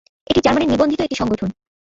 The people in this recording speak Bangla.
এটি জার্মানির নিবন্ধিত একটি সংগঠন।